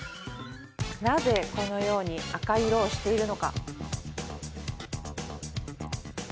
なぜこのように赤い色をしているのか。